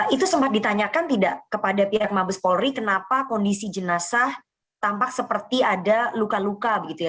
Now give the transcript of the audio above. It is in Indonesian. itu sempat ditanyakan tidak kepada pihak mabes polri kenapa kondisi jenazah tampak seperti ada luka luka begitu ya